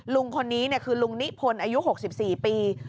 ลุงคนนี้คือลุงนิพนธ์อายุ๖๔ปี